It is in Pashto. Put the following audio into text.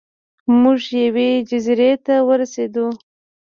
موږ یوې جزیرې ته ورسیدو.